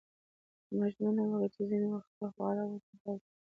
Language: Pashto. ما ژمنه وکړه چې ځینې وخت به خواړه ورته راوړم